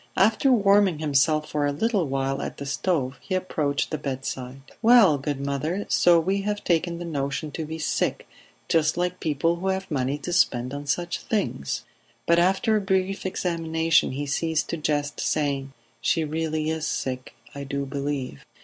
After warming himself for a little while at the stove he approached the bedside. "Well, good mother, so we have taken the notion to be sick, just like people who have money to spend on such things!" But after a brief examination he ceased to jest, saying: "She really is sick, I do believe."